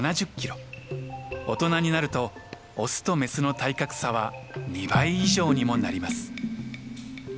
大人になるとオスとメスの体格差は２倍以上にもなります。